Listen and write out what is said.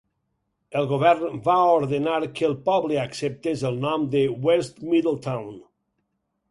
El Govern va ordenar que el poble acceptés el nom de West Middletown.